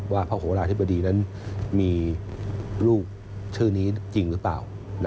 พระโหลาธิบดีนั้นมีลูกชื่อนี้จริงหรือเปล่า